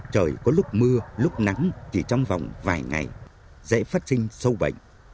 trời có lúc mưa lúc nắng chỉ trong vòng vài ngày dễ phát sinh sâu bệnh